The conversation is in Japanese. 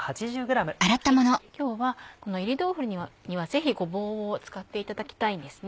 今日はこの炒り豆腐にはぜひごぼうを使っていただきたいんですね。